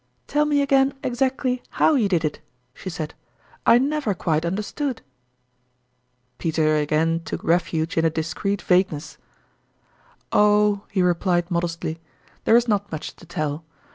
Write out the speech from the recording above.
" Tell me again exactly ?iow you did it," she said. " I never quite understood." Peter again took refuge in a discreet vague ness. 38 tourmalin's ime (!II)eqtie0. "Oh," he replied, modestly, "there is not much to tell.